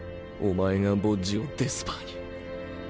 お前がボッジをデスパーに。